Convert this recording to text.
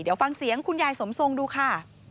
เดี๋ยวฟังเสียงคุณยายสมทรงดูค่ะ